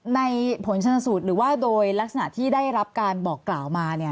ในผลชนสูตรหรือว่าโดยลักษณะที่ได้รับการบอกกล่าวมา